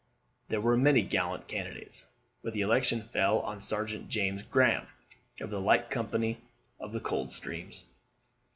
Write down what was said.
There were many gallant candidates, but the election fell on Sergeant James Graham, of the light company of the Coldstreams.